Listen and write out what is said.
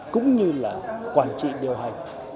cũng như là quản trị điều hành